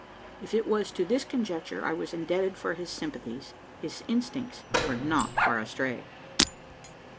If it was to this conjecture I was indebted for his sympathies, his instincts were not far astray.